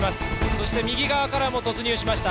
そして右側からも突入しました。